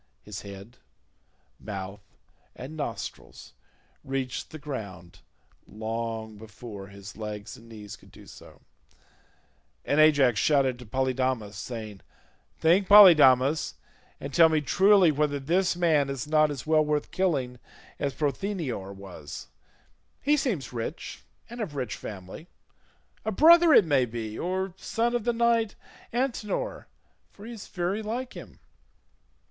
His head, mouth, and nostrils reached the ground long before his legs and knees could do so, and Ajax shouted to Polydamas saying, "Think, Polydamas, and tell me truly whether this man is not as well worth killing as Prothoenor was: he seems rich, and of rich family, a brother, it may be, or son of the knight Antenor, for he is very like him."